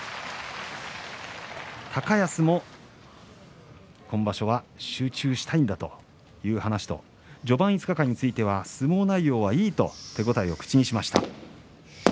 高安も今場所は集中したいんだという話と序盤５日間については相撲内容はいいと手応えを口にしています。